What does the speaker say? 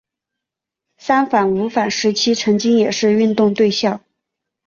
三反五反时期曾经也是运动对象。